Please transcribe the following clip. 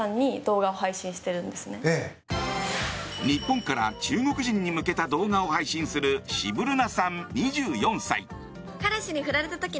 日本から中国人に向けた動画を配信するシブルナさん、２４歳。